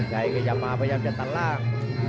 พยายามจะตัดล่าง